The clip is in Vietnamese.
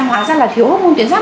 hóa ra là thiếu hormôn tuyệt giác